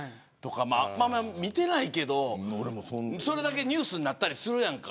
あんまり見てないけどそれだけニュースになったりするやんか。